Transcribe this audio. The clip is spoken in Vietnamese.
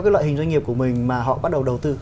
cái loại hình doanh nghiệp của mình mà họ bắt đầu đầu tư